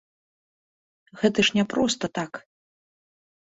Гэта ж не проста так!